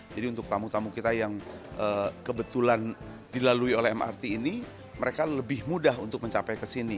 untuk tamu tamu kita yang kebetulan dilalui oleh mrt ini mereka lebih mudah untuk mencapai ke sini